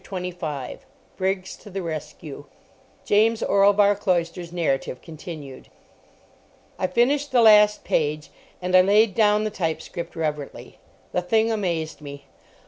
CHAPTER 25 BRIGGS TO THE RESCUE (James Orlebar Cloyster's narrative continued) I finished the last page, and I laid down the typescript reverently. The thing amazed me.